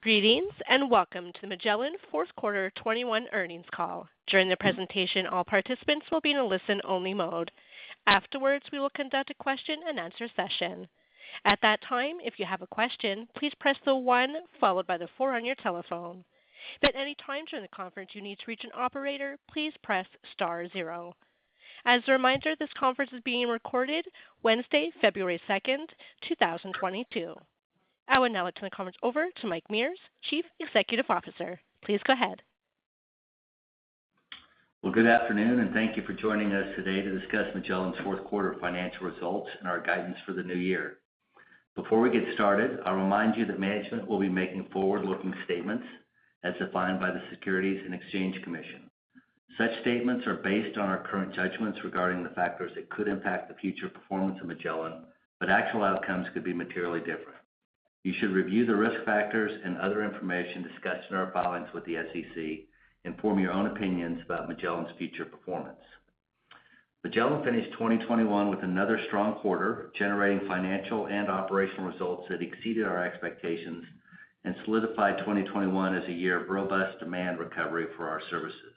Greetings, and welcome to the Magellan fourth quarter 2021 earnings call. During the presentation, all participants will be in a listen-only mode. Afterwards, we will conduct a question-and-answer session. At that time, if you have a question, please press the one followed by the four on your telephone. But at any time during the conference you need to reach an operator, please press star zero. As a reminder, this conference is being recorded Wednesday, February 2nd, 2022. I will now turn the conference over to Michael Mears, Chief Executive Officer. Please go ahead. Well, good afternoon, and thank you for joining us today to discuss Magellan's fourth quarter financial results and our guidance for the new year. Before we get started, I'll remind you that management will be making forward-looking statements as defined by the Securities and Exchange Commission. Such statements are based on our current judgments regarding the factors that could impact the future performance of Magellan, but actual outcomes could be materially different. You should review the risk factors and other information discussed in our filings with the SEC and form your own opinions about Magellan's future performance. Magellan finished 2021 with another strong quarter, generating financial and operational results that exceeded our expectations and solidified 2021 as a year of robust demand recovery for our services.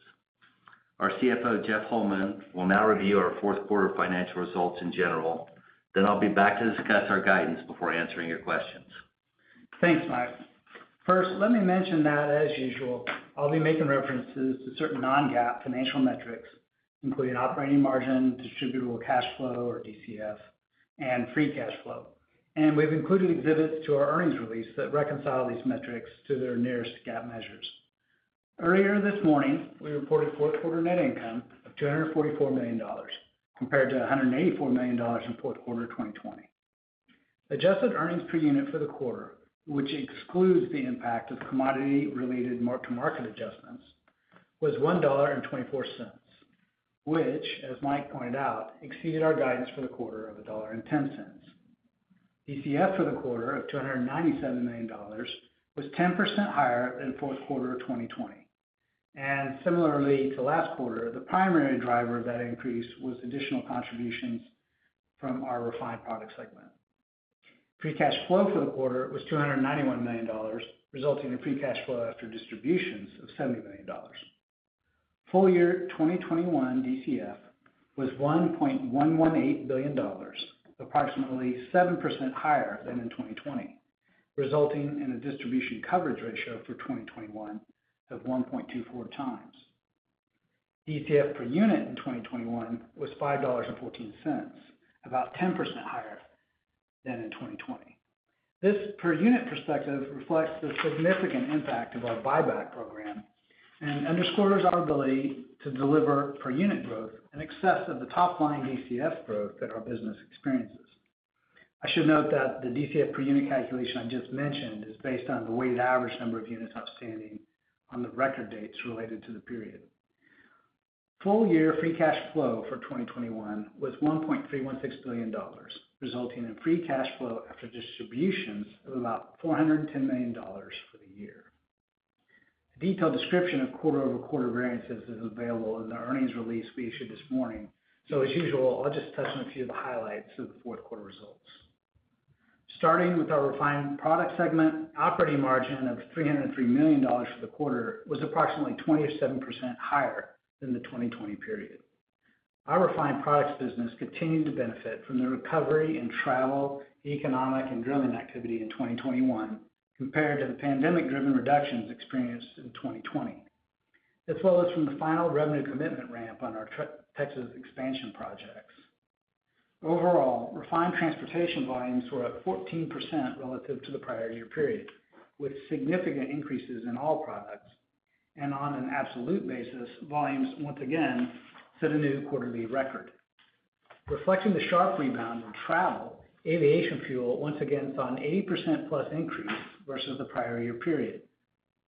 Our CFO, Jeff Holman, will now review our fourth quarter financial results in general. I'll be back to discuss our guidance before answering your questions. Thanks, Michael. First, let me mention that, as usual, I'll be making references to certain non-GAAP financial metrics, including operating margin, distributable cash flow or DCF, and free cash flow. We've included exhibits to our earnings release that reconcile these metrics to their nearest GAAP measures. Earlier this morning, we reported fourth quarter net income of $244 million, compared to $184 million in fourth quarter of 2020. Adjusted earnings per unit for the quarter, which excludes the impact of commodity-related mark-to-market adjustments, was $1.24, which, as Michael pointed out, exceeded our guidance for the quarter of $1.10. DCF for the quarter of $297 million was 10% higher than fourth quarter of 2020. Similarly to last quarter, the primary driver of that increase was additional contributions from our refined product segment. Free cash flow for the quarter was $291 million, resulting in free cash flow after distributions of $70 million. Full year 2021 DCF was $1.118 billion, approximately 7% higher than in 2020, resulting in a distribution coverage ratio for 2021 of 1.24x. DCF per unit in 2021 was $5.14, about 10% higher than in 2020. This per unit perspective reflects the significant impact of our buyback program and underscores our ability to deliver per unit growth in excess of the top line DCF growth that our business experiences. I should note that the DCF per unit calculation I just mentioned is based on the weighted average number of units outstanding on the record dates related to the period. Full year free cash flow for 2021 was $1.316 billion, resulting in free cash flow after distributions of about $410 million for the year. A detailed description of quarter-over-quarter variances is available in the earnings release we issued this morning. As usual, I'll just touch on a few of the highlights of the fourth quarter results. Starting with our Refined Products segment, operating margin of $303 million for the quarter was approximately 27% higher than the 2020 period. Our refined products business continued to benefit from the recovery in travel, economic, and drilling activity in 2021 compared to the pandemic-driven reductions experienced in 2020, as well as from the final revenue commitment ramp on our Texas expansion projects. Overall, refined transportation volumes were up 14% relative to the prior year period, with significant increases in all products. On an absolute basis, volumes once again set a new quarterly record. Reflecting the sharp rebound in travel, aviation fuel once again saw an 80%+ increase versus the prior year period.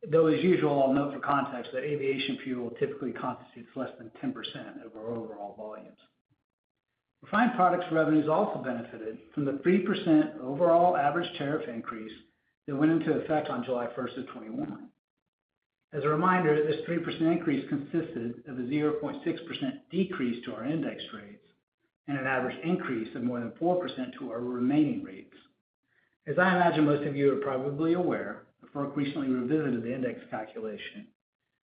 Though as usual, I'll note for context that aviation fuel typically constitutes less than 10% of our overall volumes. Refined products revenues also benefited from the 3% overall average tariff increase that went into effect on July 1st, 2021. As a reminder, this 3% increase consisted of a 0.6% decrease to our index rates and an average increase of more than 4% to our remaining rates. As I imagine most of you are probably aware, FERC recently revisited the index calculation,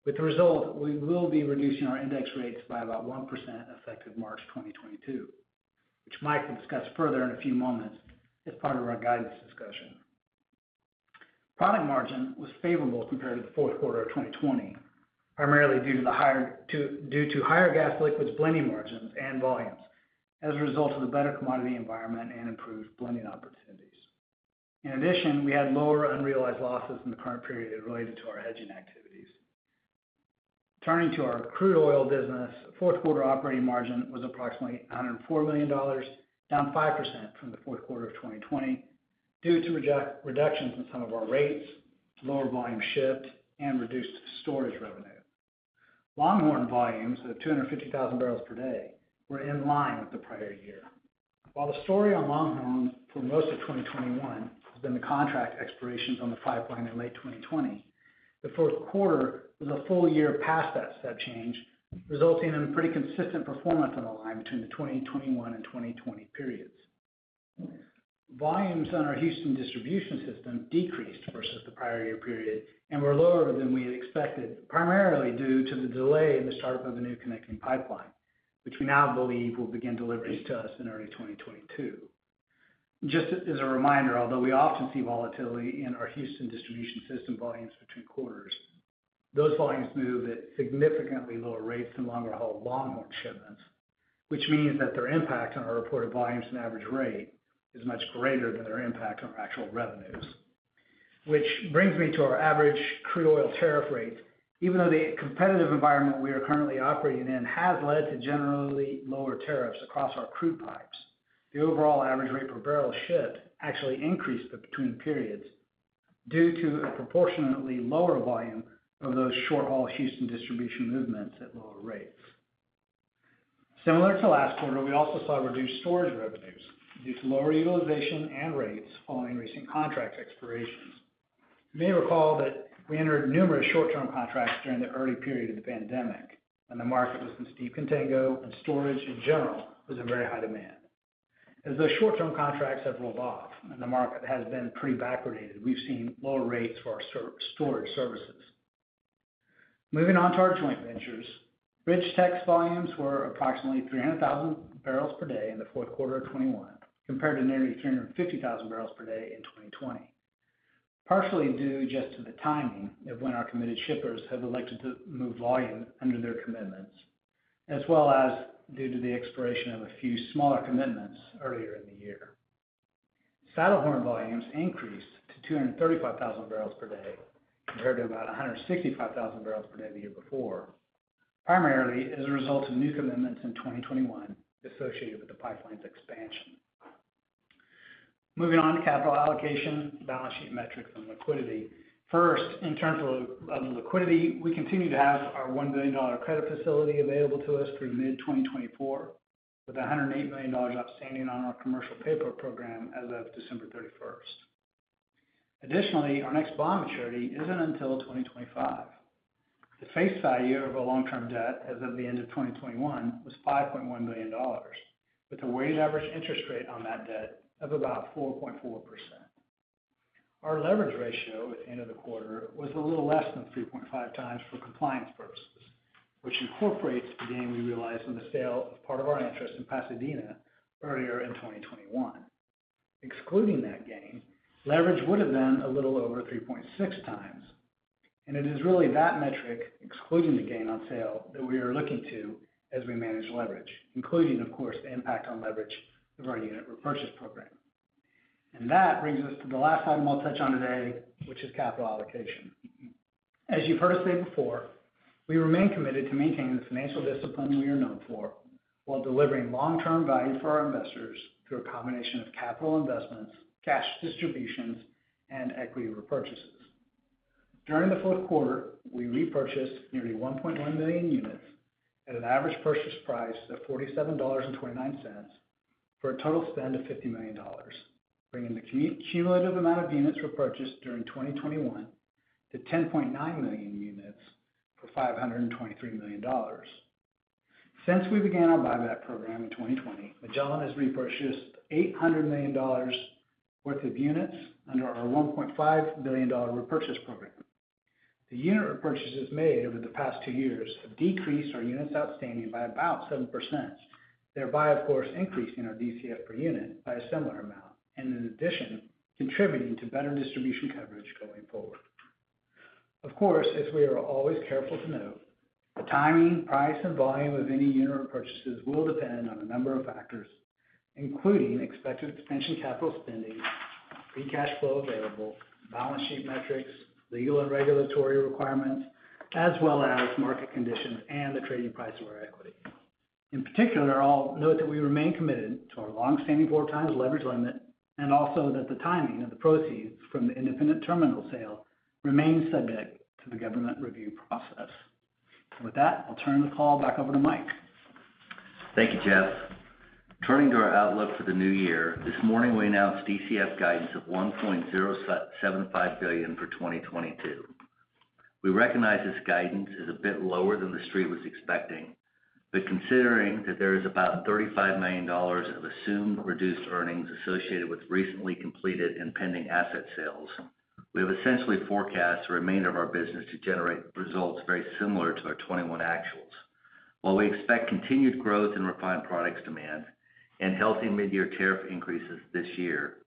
with the result we will be reducing our index rates by about 1% effective March 2022, which Michael will discuss further in a few moments as part of our guidance discussion. Product margin was favorable compared to the fourth quarter of 2020, primarily due to higher gas liquids blending margins and volumes as a result of the better commodity environment and improved blending opportunities. In addition, we had lower unrealized losses in the current period related to our hedging activities. Turning to our crude oil business, fourth quarter operating margin was approximately $104 million, down 5% from the fourth quarter of 2020 due to reductions in some of our rates, lower volume shipped, and reduced storage revenue. Longhorn volumes of 250,000 barrels per day were in line with the prior year. While the story on Longhorn for most of 2021 has been the contract expirations on the pipeline in late 2020. The fourth quarter was a full year past that step change, resulting in pretty consistent performance on the line between the 2021 and 2020 periods. Volumes on our Houston distribution system decreased versus the prior year period, and were lower than we had expected, primarily due to the delay in the start-up of the new connecting pipeline, which we now believe will begin deliveries to us in early 2022. Just as a reminder, although we often see volatility in our Houston distribution system volumes between quarters, those volumes move at significantly lower rates than longer-haul shipments, which means that their impact on our reported volumes and average rate is much greater than their impact on our actual revenues. Which brings me to our average crude oil tariff rate. Even though the competitive environment we are currently operating in has led to generally lower tariffs across our crude pipes, the overall average rate per barrel shipped actually increased between periods due to a proportionately lower volume of those short-haul Houston distribution movements at lower rates. Similar to last quarter, we also saw reduced storage revenues due to lower utilization and rates following recent contract expirations. You may recall that we entered numerous short-term contracts during the early period of the pandemic, when the market was in steep contango and storage in general was in very high demand. As those short-term contracts have rolled off and the market has been pretty backwardated, we've seen lower rates for our storage services. Moving on to our joint ventures. BridgeTex volumes were approximately 300,000 barrels per day in the fourth quarter of 2021, compared to nearly 350,000 barrels per day in 2020, partially due just to the timing of when our committed shippers have elected to move volume under their commitments, as well as due to the expiration of a few smaller commitments earlier in the year. Saddlehorn volumes increased to 235,000 barrels per day, compared to about 165,000 barrels per day the year before, primarily as a result of new commitments in 2021 associated with the pipeline's expansion. Moving on to capital allocation, balance sheet metrics, and liquidity. First, in terms of liquidity, we continue to have our $1 billion credit facility available to us through mid-2024, with $108 million outstanding on our commercial paper program as of December 31st. Additionally, our next bond maturity isn't until 2025. The face value of our long-term debt as of the end of 2021 was $5.1 billion, with a weighted average interest rate on that debt of about 4.4%. Our leverage ratio at the end of the quarter was a little less than 3.5x for compliance purposes, which incorporates the gain we realized on the sale of part of our interest in Pasadena earlier in 2021. Excluding that gain, leverage would have been a little over 3.6x, and it is really that metric, excluding the gain on sale, that we are looking to as we manage leverage, including, of course, the impact on leverage of our unit repurchase program. That brings us to the last item I'll touch on today, which is capital allocation. As you've heard us say before, we remain committed to maintaining the financial discipline we are known for while delivering long-term value for our investors through a combination of capital investments, cash distributions, and equity repurchases. During the fourth quarter, we repurchased nearly 1.1 million units at an average purchase price of $47.29 for a total spend of $50 million, bringing the cumulative amount of units repurchased during 2021 to 10.9 million units for $523 million. Since we began our buyback program in 2020, Magellan has repurchased $800 million worth of units under our $1.5 billion repurchase program. The unit repurchases made over the past two years have decreased our units outstanding by about 7%, thereby, of course, increasing our DCF per unit by a similar amount, and in addition, contributing to better distribution coverage going forward. Of course, as we are always careful to note, the timing, price, and volume of any unit repurchases will depend on a number of factors, including expected expansion capital spending, free cash flow available, balance sheet metrics, legal and regulatory requirements, as well as market conditions and the trading price of our equity. In particular, I'll note that we remain committed to our long-standing four times leverage limit, and also that the timing of the proceeds from the independent terminal sale remains subject to the government review process. With that, I'll turn the call back over to Michael. Thank you, Jeff. Turning to our outlook for the new year, this morning we announced DCF guidance of $1.075 billion for 2022. We recognize this guidance is a bit lower than the Street was expecting, but considering that there is about $35 million of assumed reduced earnings associated with recently completed and pending asset sales, we have essentially forecast the remainder of our business to generate results very similar to our 2021 actuals. While we expect continued growth in refined products demand and healthy mid-year tariff increases this year,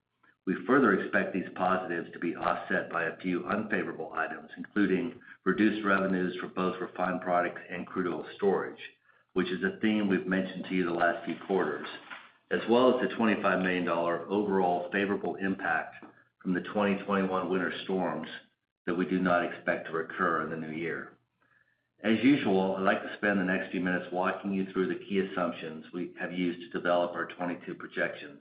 we further expect these positives to be offset by a few unfavorable items, including reduced revenues for both refined products and crude oil storage, which is a theme we've mentioned to you the last few quarters, as well as the $25 million overall favorable impact from the 2021 winter storms that we do not expect to recur in the new year. As usual, I'd like to spend the next few minutes walking you through the key assumptions we have used to develop our 2022 projections,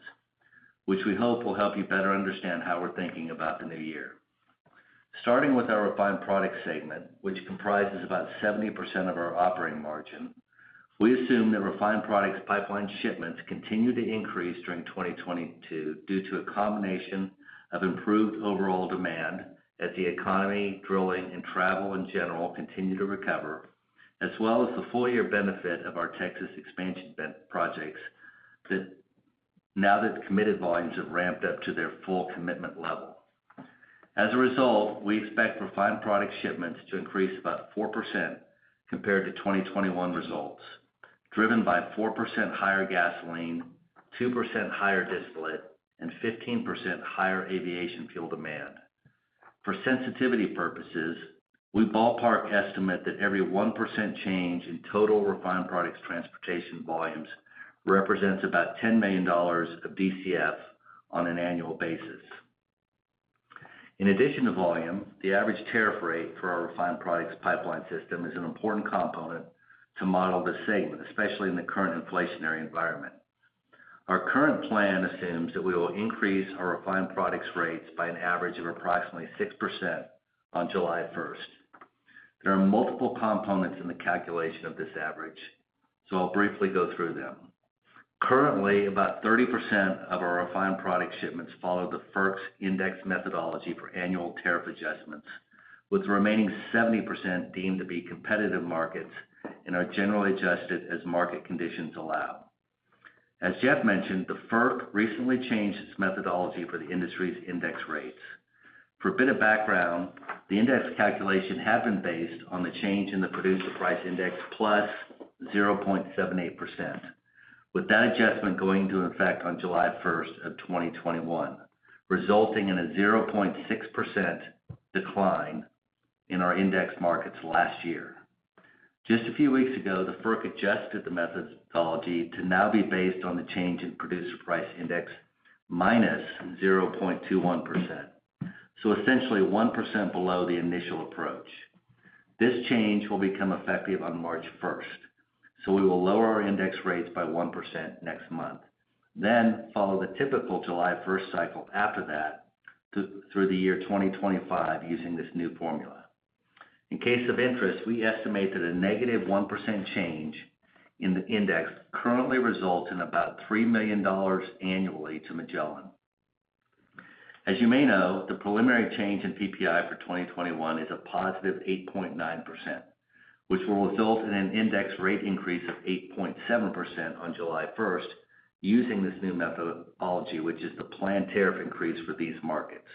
which we hope will help you better understand how we're thinking about the new year. Starting with our Refined Products segment, which comprises about 70% of our operating margin. We assume that refined products pipeline shipments continue to increase during 2022 due to a combination of improved overall demand as the economy, drilling, and travel in general continue to recover, as well as the full year benefit of our Texas expansion venture projects. Now that the committed volumes have ramped up to their full commitment level. As a result, we expect refined product shipments to increase about 4% compared to 2021 results, driven by 4% higher gasoline, 2% higher distillate, and 15% higher aviation fuel demand. For sensitivity purposes, we ballpark estimate that every 1% change in total refined products transportation volumes represents about $10 million of DCF on an annual basis. In addition to volume, the average tariff rate for our refined products pipeline system is an important component to model the segment, especially in the current inflationary environment. Our current plan assumes that we will increase our refined products rates by an average of approximately 6% on July 1st. There are multiple components in the calculation of this average, so I'll briefly go through them. Currently, about 30% of our refined product shipments follow the FERC's index methodology for annual tariff adjustments, with the remaining 70% deemed to be competitive markets and are generally adjusted as market conditions allow. As Jeff mentioned, the FERC recently changed its methodology for the industry's index rates. For a bit of background, the index calculation had been based on the change in the Producer Price Index plus 0.78%, with that adjustment going into effect on July 1st, 2021, resulting in a 0.6% decline in our index markets last year. Just a few weeks ago, the FERC adjusted the methodology to now be based on the change in Producer Price Index -0.21%. Essentially one percent below the initial approach. This change will become effective on March 1st, so we will lower our index rates by 1% next month, then follow the typical July 1st cycle after that through the year 2025 using this new formula. In case of interest, we estimate that a -1% change in the index currently results in about $3 million annually to Magellan. As you may know, the preliminary change in PPI for 2021 is a +8.9%, which will result in an index rate increase of 8.7% on July 1st using this new methodology, which is the planned tariff increase for these markets.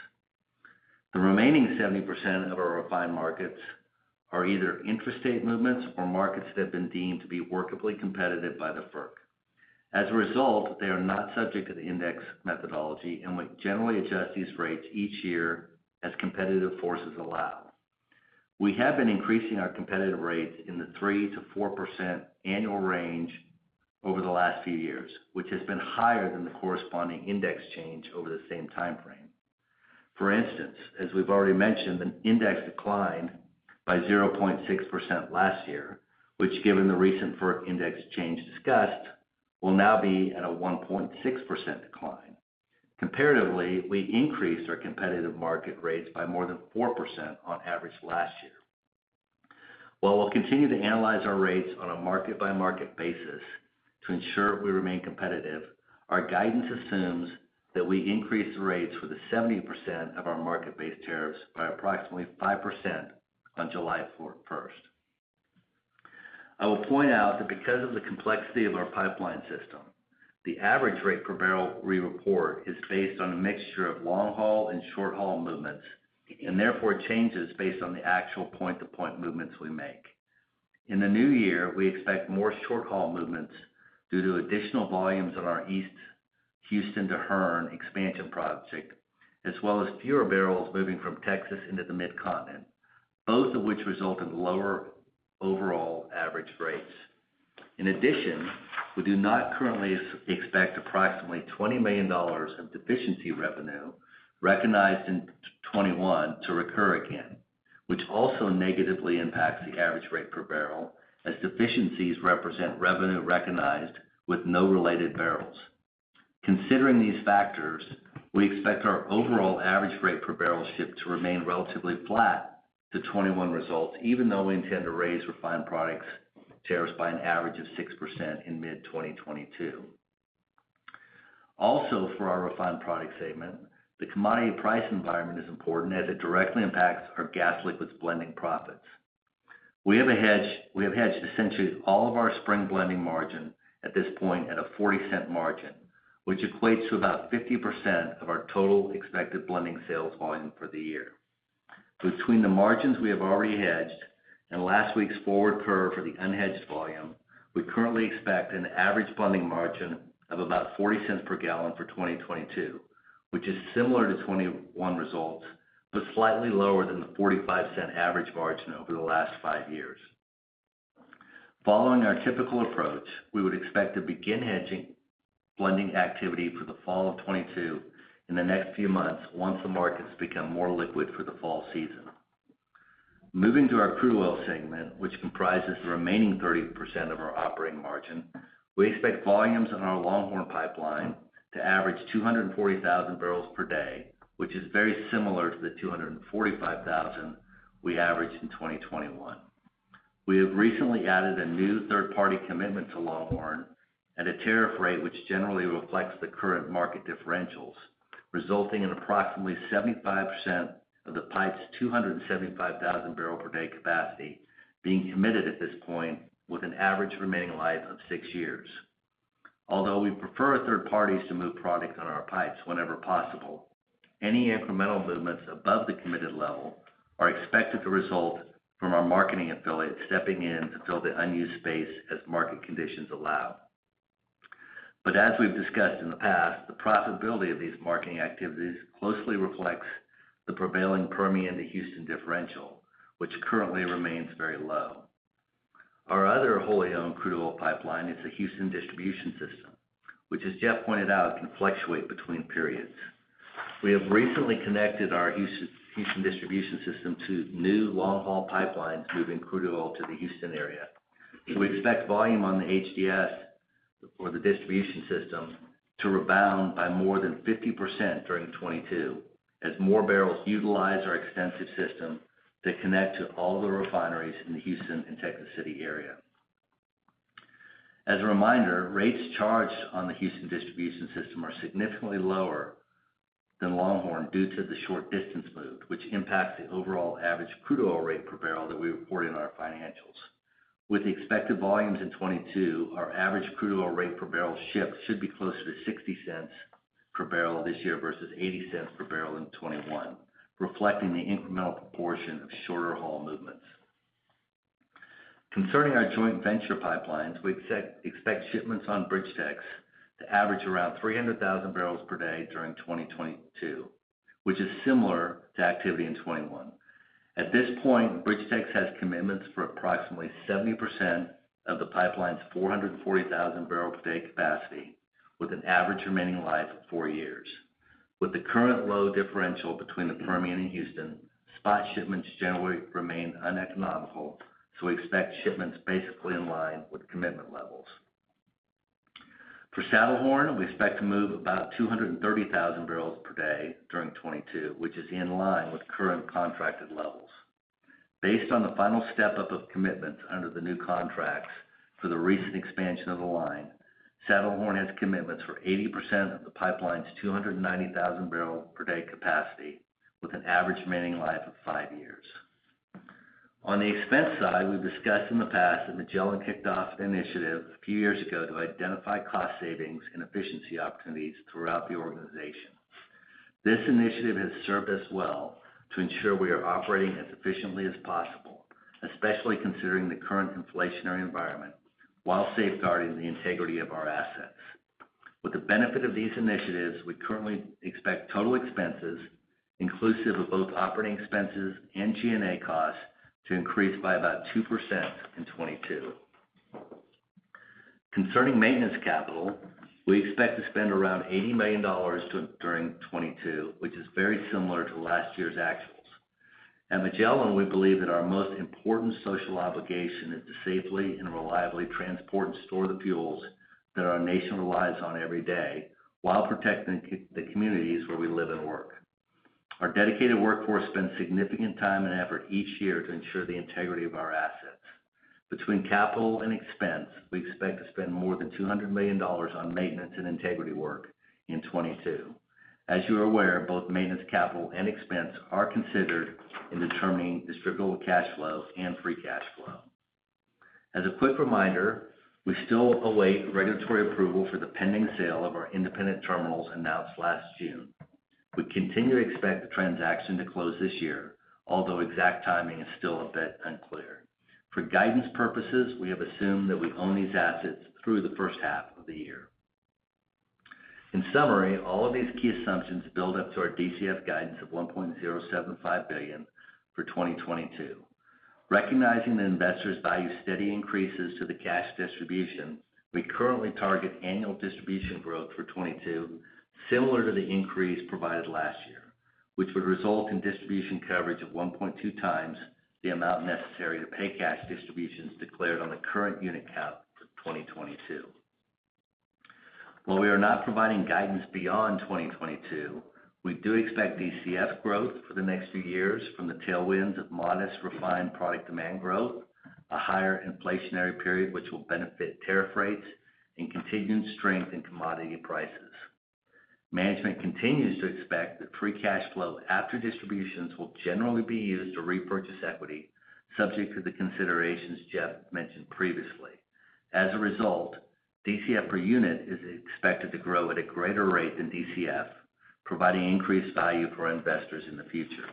The remaining 70% of our refined markets are either intrastate movements or markets that have been deemed to be workably competitive by the FERC. As a result, they are not subject to the index methodology, and we generally adjust these rates each year as competitive forces allow. We have been increasing our competitive rates in the 3%-4% annual range over the last few years, which has been higher than the corresponding index change over the same time frame. For instance, as we've already mentioned, an index declined by 0.6% last year, which given the recent FERC index change discussed, will now be at a 1.6% decline. Comparatively, we increased our competitive market rates by more than 4% on average last year. While we'll continue to analyze our rates on a market-by-market basis to ensure we remain competitive, our guidance assumes that we increase the rates for the 70% of our market-based tariffs by approximately 5% on July 1st. I will point out that because of the complexity of our pipeline system, the average rate per barrel we report is based on a mixture of long-haul and short-haul movements, and therefore changes based on the actual point-to-point movements we make. In the new year, we expect more short-haul movements due to additional volumes on our East Houston to Hearne expansion project, as well as fewer barrels moving from Texas into the Mid-Continent, both of which result in lower overall average rates. In addition, we do not currently expect approximately $20 million of deficiency revenue recognized in 2021 to recur again, which also negatively impacts the average rate per barrel as deficiencies represent revenue recognized with no related barrels. Considering these factors, we expect our overall average rate per barrel shipped to remain relatively flat to 2021 results, even though we intend to raise refined products tariffs by an average of 6% in mid-2022. Also for our refined products segment, the commodity price environment is important as it directly impacts our gas liquids blending profits. We have hedged essentially all of our spring blending margin at this point at a $0.40 margin, which equates to about 50% of our total expected blending sales volume for the year. Between the margins we have already hedged and last week's forward curve for the unhedged volume, we currently expect an average blending margin of about $0.40 per gallon for 2022, which is similar to 2021 results, but slightly lower than the $0.45 average margin over the last five years. Following our typical approach, we would expect to begin hedging blending activity for the fall of 2022 in the next few months once the markets become more liquid for the fall season. Moving to our crude oil segment, which comprises the remaining 30% of our operating margin, we expect volumes on our Longhorn Pipeline to average 240,000 barrels per day, which is very similar to the 245,000 we averaged in 2021. We have recently added a new third-party commitment to Longhorn at a tariff rate which generally reflects the current market differentials, resulting in approximately 75% of the pipe's 275,000 barrel per day capacity being committed at this point with an average remaining life of six years. Although we prefer third parties to move product on our pipes whenever possible, any incremental movements above the committed level are expected to result from our marketing affiliates stepping in to fill the unused space as market conditions allow. As we've discussed in the past, the profitability of these marketing activities closely reflects the prevailing Permian to Houston differential, which currently remains very low. Our other wholly owned crude oil pipeline is the Houston Distribution System, which as Jeff pointed out, can fluctuate between periods. We have recently connected our Houston Distribution System to new long-haul pipelines moving crude oil to the Houston area. We expect volume on the HDS, or the distribution system, to rebound by more than 50% during 2022 as more barrels utilize our extensive system to connect to all the refineries in the Houston and Texas City area. As a reminder, rates charged on the Houston Distribution System are significantly lower than Longhorn due to the short distance moved, which impacts the overall average crude oil rate per barrel that we report in our financials. With the expected volumes in 2022, our average crude oil rate per barrel shipped should be closer to $0.60 per barrel this year versus $0.80 per barrel in 2021, reflecting the incremental proportion of shorter haul movements. Concerning our joint venture pipelines, we expect shipments on BridgeTex to average around 300,000 barrels per day during 2022, which is similar to activity in 2021. At this point, BridgeTex has commitments for approximately 70% of the pipeline's 440,000 barrel per day capacity with an average remaining life of four years. With the current low differential between the Permian and Houston, spot shipments generally remain uneconomical, so we expect shipments basically in line with commitment levels. For Saddlehorn, we expect to move about 230,000 barrels per day during 2022, which is in line with current contracted levels. Based on the final step-up of commitments under the new contracts for the recent expansion of the line, Saddlehorn has commitments for 80% of the pipeline's 290,000 barrel per day capacity with an average remaining life of five years. On the expense side, we've discussed in the past that Magellan kicked off an initiative a few years ago to identify cost savings and efficiency opportunities throughout the organization. This initiative has served us well to ensure we are operating as efficiently as possible, especially considering the current inflationary environment, while safeguarding the integrity of our assets. With the benefit of these initiatives, we currently expect total expenses, inclusive of both operating expenses and G&A costs, to increase by about 2% in 2022. Concerning maintenance capital, we expect to spend around $80 million during 2022, which is very similar to last year's actuals. At Magellan, we believe that our most important social obligation is to safely and reliably transport and store the fuels that our nation relies on every day, while protecting the communities where we live and work. Our dedicated workforce spends significant time and effort each year to ensure the integrity of our assets. Between capital and expense, we expect to spend more than $200 million on maintenance and integrity work in 2022. As you are aware, both maintenance capital and expense are considered in determining distributable cash flow and free cash flow. As a quick reminder, we still await regulatory approval for the pending sale of our independent terminals announced last June. We continue to expect the transaction to close this year, although exact timing is still a bit unclear. For guidance purposes, we have assumed that we own these assets through the first half of the year. In summary, all of these key assumptions build up to our DCF guidance of $1.075 billion for 2022. Recognizing that investors value steady increases to the cash distribution, we currently target annual distribution growth for 2022 similar to the increase provided last year, which would result in distribution coverage of 1.2x the amount necessary to pay cash distributions declared on the current unit count for 2022. While we are not providing guidance beyond 2022, we do expect DCF growth for the next few years from the tailwinds of modest refined product demand growth, a higher inflationary period which will benefit tariff rates, and continued strength in commodity prices. Management continues to expect that free cash flow after distributions will generally be used to repurchase equity, subject to the considerations Jeff mentioned previously. As a result, DCF per unit is expected to grow at a greater rate than DCF, providing increased value for investors in the future.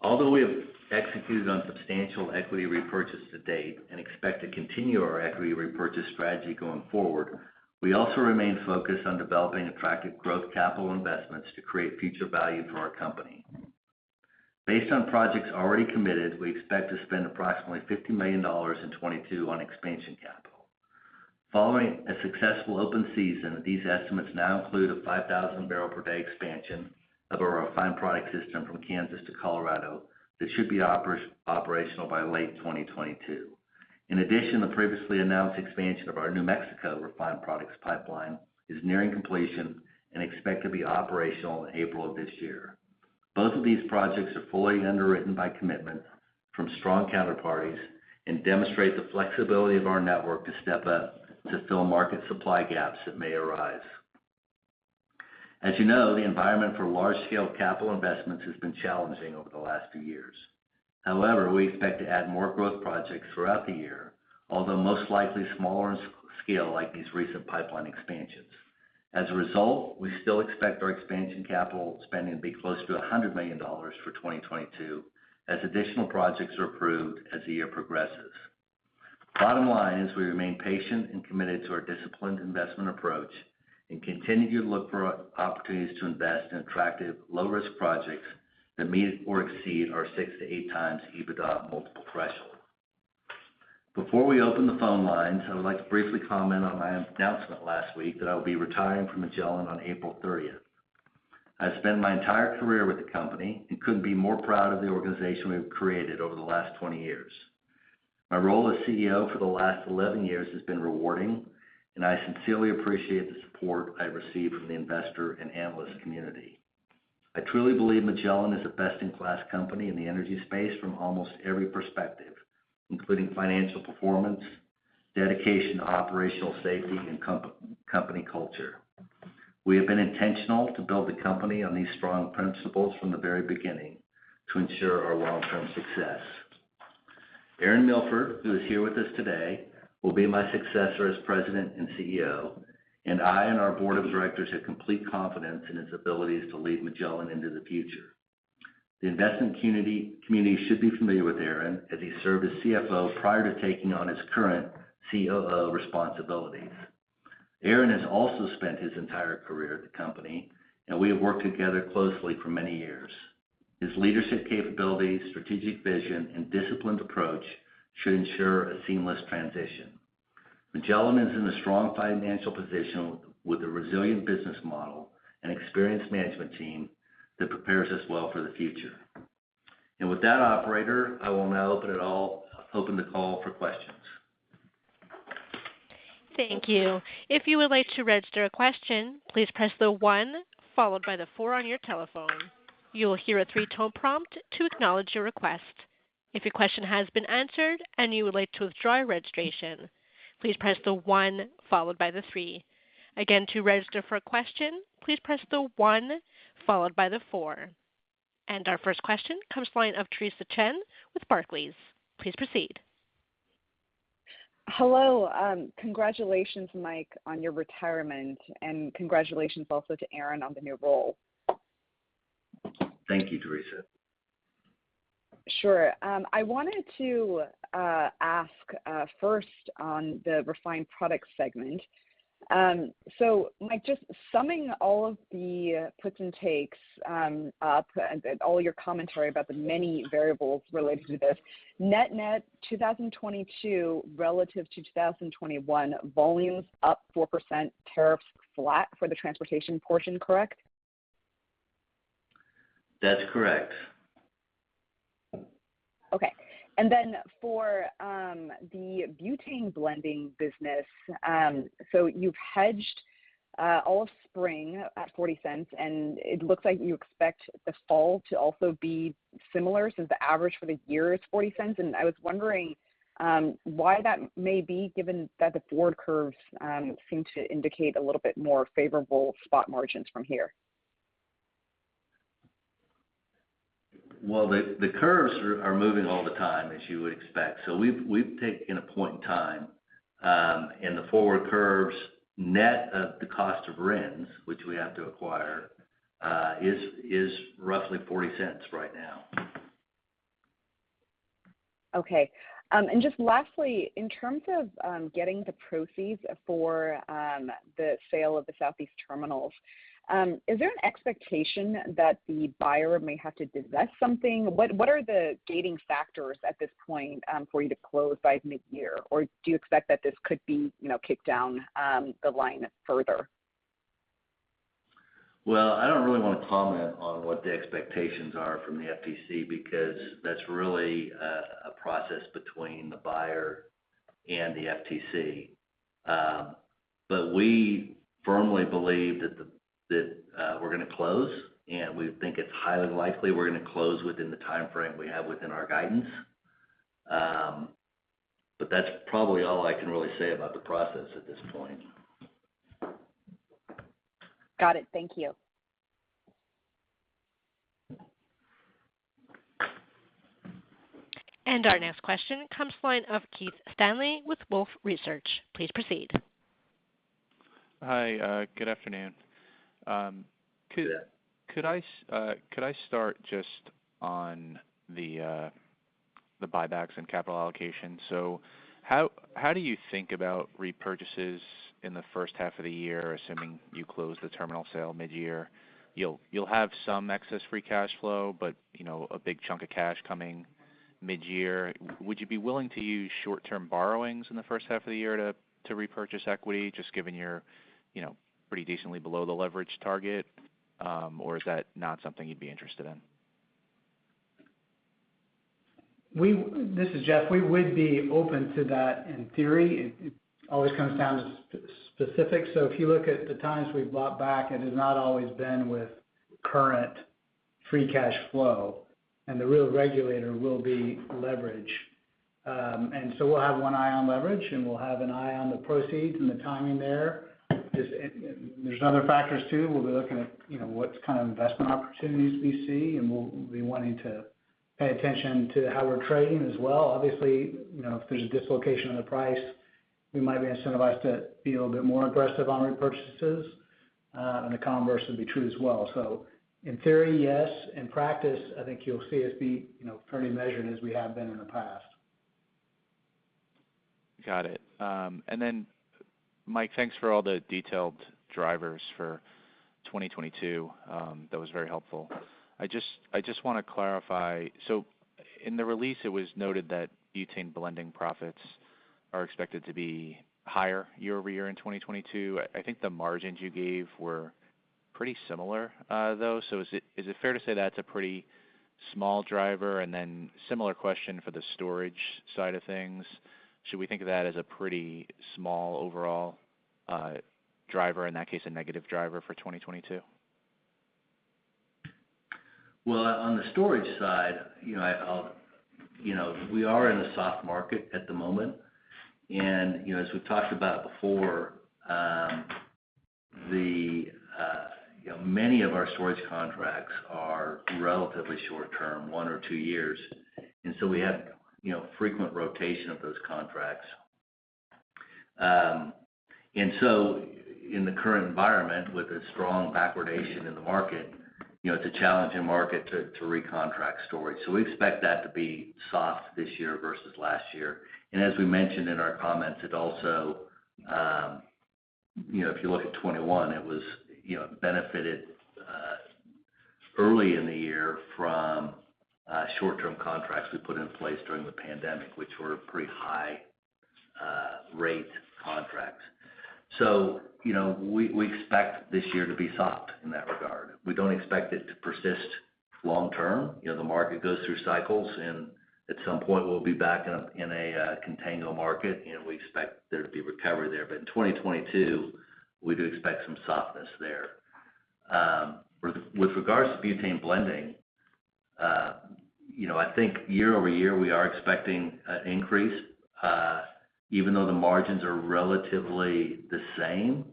Although we have executed on substantial equity repurchase to date and expect to continue our equity repurchase strategy going forward, we also remain focused on developing attractive growth capital investments to create future value for our company. Based on projects already committed, we expect to spend approximately $50 million in 2022 on expansion capital. Following a successful open season, these estimates now include a 5,000 barrel per day expansion of our refined product system from Kansas to Colorado that should be operational by late 2022. In addition, the previously announced expansion of our New Mexico refined products pipeline is nearing completion and we expect to be operational in April of this year. Both of these projects are fully underwritten by commitment from strong counterparties and demonstrate the flexibility of our network to step up to fill market supply gaps that may arise. As you know, the environment for large-scale capital investments has been challenging over the last few years. However, we expect to add more growth projects throughout the year, although most likely smaller scale like these recent pipeline expansions. As a result, we still expect our expansion capital spending to be close to $100 million for 2022 as additional projects are approved as the year progresses. Bottom line is we remain patient and committed to our disciplined investment approach and continue to look for opportunities to invest in attractive low-risk projects that meet or exceed our 6x-8x EBITDA multiple threshold. Before we open the phone lines, I would like to briefly comment on my announcement last week that I will be retiring from Magellan on April 30th. I spent my entire career with the company and couldn't be more proud of the organization we have created over the last 20 years. My role as CEO for the last 11 years has been rewarding, and I sincerely appreciate the support I received from the investor and analyst community. I truly believe Magellan is a best-in-class company in the energy space from almost every perspective, including financial performance, dedication to operational safety, and company culture. We have been intentional to build the company on these strong principles from the very beginning to ensure our long-term success. Aaron Milford, who is here with us today, will be my successor as President and CEO, and I and our board of directors have complete confidence in his abilities to lead Magellan into the future. The investment community should be familiar with Aaron as he served as CFO prior to taking on his current COO responsibilities. Aaron has also spent his entire career at the company, and we have worked together closely for many years. His leadership capabilities, strategic vision, and disciplined approach should ensure a seamless transition. Magellan is in a strong financial position with a resilient business model and experienced management team that prepares us well for the future. With that operator, I will now open the call for questions. Our first question comes from the line of Theresa Chen with Barclays. Please proceed. Hello. Congratulations, Michael, on your retirement, and congratulations also to Aaron on the new role. Thank you, Theresa. Sure. I wanted to ask first on the Refined Products segment. So Michael, just summing all of the puts and takes up and all your commentary about the many variables related to this, net net 2022 relative to 2021, volumes up 4%, tariffs flat for the transportation portion, correct? That's correct. Okay. For the butane blending business, so you've hedged all spring at $0.40, and it looks like you expect the fall to also be similar since the average for the year is $0.40. I was wondering why that may be given that the forward curves seem to indicate a little bit more favorable spot margins from here. Well, the curves are moving all the time as you would expect. We've taken a point in time, and the forward curves net of the cost of RINs, which we have to acquire, is roughly $0.40 right now. Okay. Just lastly, in terms of getting the proceeds for the sale of the Southeast terminals, is there an expectation that the buyer may have to divest something? What are the gating factors at this point for you to close by mid-year? Or do you expect that this could be, you know, kicked down the line further? Well, I don't really wanna comment on what the expectations are from the FTC because that's really a process between the buyer and the FTC. We firmly believe that we're gonna close, and we think it's highly likely we're gonna close within the timeframe we have within our guidance. That's probably all I can really say about the process at this point. Got it. Thank you. Our next question comes from the line of Keith Stanley with Wolfe Research. Please proceed. Hi. Good afternoon. Could- Yeah. Could I start just on the buybacks and capital allocation? How do you think about repurchases in the first half of the year, assuming you close the terminal sale mid-year? You'll have some excess free cash flow, but you know, a big chunk of cash coming mid-year. Would you be willing to use short-term borrowings in the first half of the year to repurchase equity just given you're you know, pretty decently below the leverage target? Is that not something you'd be interested in? This is Jeff. We would be open to that in theory. It always comes down to specific. If you look at the times we've bought back, it has not always been with current free cash flow, and the real regulator will be leverage. We'll have one eye on leverage, and we'll have an eye on the proceeds and the timing there. There's other factors too. We'll be looking at, you know, what kind of investment opportunities we see, and we'll be wanting to pay attention to how we're trading as well. Obviously, you know, if there's a dislocation on the price, we might be incentivized to be a little bit more aggressive on repurchases, and the converse would be true as well. In theory, yes. In practice, I think you'll see us be, you know, pretty measured as we have been in the past. Got it. Michael, thanks for all the detailed drivers for 2022. That was very helpful. I just wanna clarify. In the release, it was noted that butane blending profits are expected to be higher year-over-year in 2022. I think the margins you gave were pretty similar, though. Is it fair to say that's a pretty small driver? Similar question for the storage side of things. Should we think of that as a pretty small overall driver, in that case a negative driver for 2022? Well, on the storage side, you know, we are in a soft market at the moment. You know, as we've talked about before, many of our storage contracts are relatively short term, one or two years, and so we have, you know, frequent rotation of those contracts. In the current environment, with a strong backwardation in the market, you know, it's a challenging market to recontract storage. We expect that to be soft this year versus last year. As we mentioned in our comments, it also, you know, if you look at 2021, it was, you know, benefited early in the year from short-term contracts we put in place during the pandemic, which were pretty high rate contracts. You know, we expect this year to be soft in that regard. We don't expect it to persist long-term. You know, the market goes through cycles, and at some point, we'll be back in a contango market, and we expect there to be recovery there. In 2022, we do expect some softness there. With regards to butane blending, you know, I think year-over-year, we are expecting an increase. Even though the margins are relatively the same,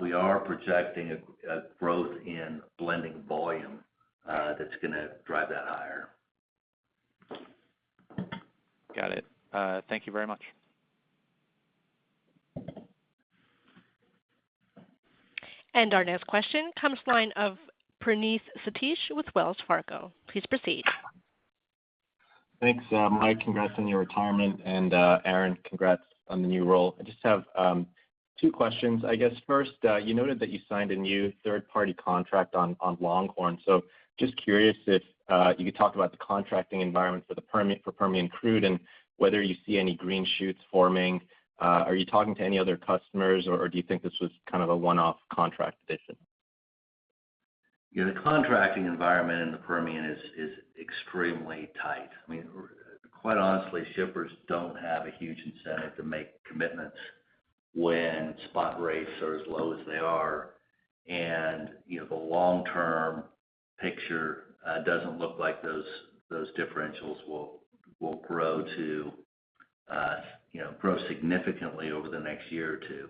we are projecting a growth in blending volume, that's gonna drive that higher. Got it. Thank you very much. Our next question comes from the line of Praneeth Satish with Wells Fargo. Please proceed. Thanks, Michael. Congrats on your retirement. Aaron, congrats on the new role. I just have two questions. I guess first, you noted that you signed a new third-party contract on Longhorn. Just curious if you could talk about the contracting environment for the Permian crude, and whether you see any green shoots forming. Are you talking to any other customers, or do you think this was kind of a one-off contract addition? Yeah. The contracting environment in the Permian is extremely tight. I mean, quite honestly, shippers don't have a huge incentive to make commitments when spot rates are as low as they are. You know, the long-term picture doesn't look like those differentials will grow to, you know, grow significantly over the next year or two.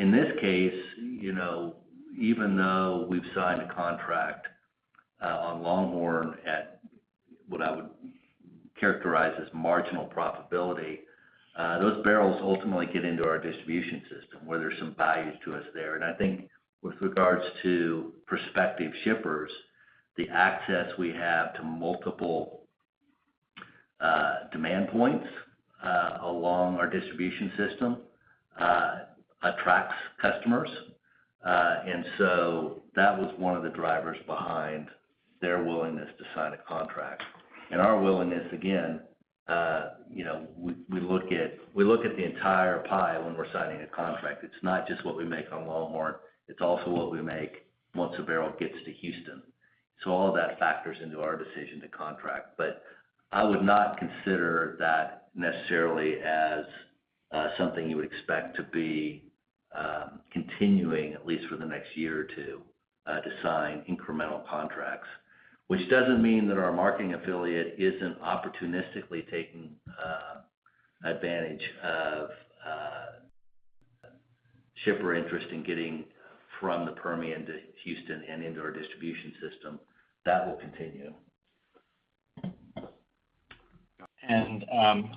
In this case, you know, even though we've signed a contract on Longhorn at what I would characterize as marginal profitability, those barrels ultimately get into our distribution system, where there's some value to us there. I think with regards to prospective shippers, the access we have to multiple demand points along our distribution system attracts customers. That was one of the drivers behind their willingness to sign a contract. Our willingness, again, you know, we look at the entire pie when we're signing a contract. It's not just what we make on Longhorn, it's also what we make once a barrel gets to Houston. All of that factors into our decision to contract. I would not consider that necessarily as something you would expect to be continuing, at least for the next year or two, to sign incremental contracts. Which doesn't mean that our marketing affiliate isn't opportunistically taking advantage of shipper interest in getting from the Permian to Houston and into our distribution system. That will continue.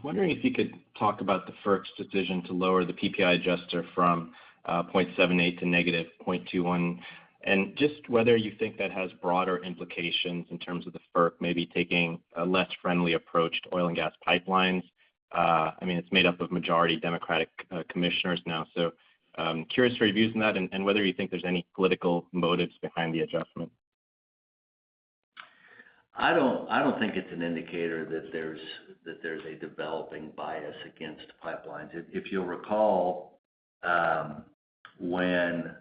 Wondering if you could talk about the FERC's decision to lower the PPI adjuster from 0.78 to -0.21, and just whether you think that has broader implications in terms of the FERC maybe taking a less friendly approach to oil and gas pipelines. I mean, it's made up of majority Democratic commissioners now. Curious for your views on that and whether you think there's any political motives behind the adjustment. I don't think it's an indicator that there's a developing bias against pipelines. If you'll recall, when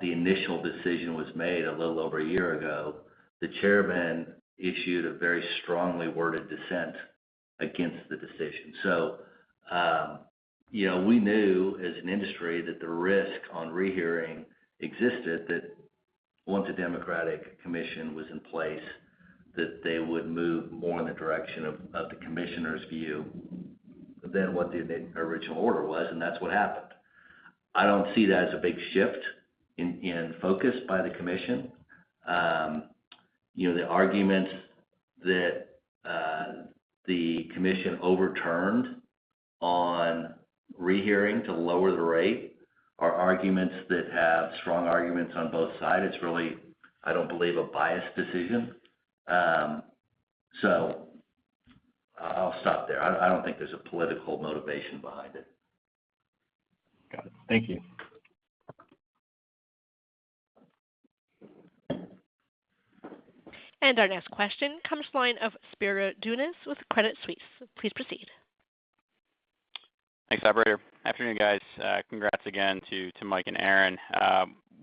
the initial decision was made a little over a year ago, the chairman issued a very strongly worded dissent against the decision. You know, we knew as an industry that the risk on rehearing existed, that once a Democratic commission was in place, that they would move more in the direction of the commissioner's view than what the original order was, and that's what happened. I don't see that as a big shift in focus by the commission. You know, the argument that the commission overturned on rehearing to lower the rate are arguments that have strong arguments on both sides. It's really, I don't believe, a biased decision. I'll stop there. I don't think there's a political motivation behind it. Got it. Thank you. Our next question comes from the line of Spiro Dounis with Credit Suisse. Please proceed. Thanks, operator. Afternoon, guys. Congrats again to Michael and Aaron.